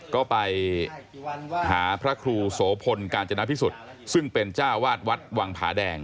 ก็ไปหาพระครูโสพลกาญจนาพิสุทธิ์ซึ่งเป็นจ้าวาดวัดวังผาแดง